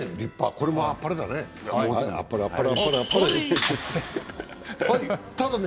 これもあっぱれだね。